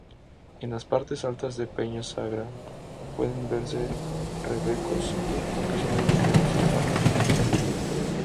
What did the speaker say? En las partes altas de Peña Sagra pueden verse rebecos y, ocasionalmente, osos pardos.